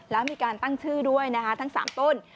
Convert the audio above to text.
แล้วมีการตั้งชื่อด้วยนะคะทั้ง๓ต้น